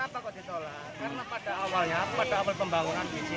karena pada awalnya pada awal pembangunan di sini